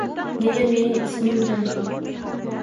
Nega mening ismim tanho